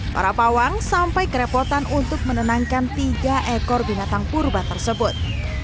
para pawang sampai kerepotan untuk menenangkan tiga ekor binatang purba tersebut